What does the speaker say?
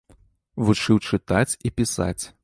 Вучыў чытаць і пісаць.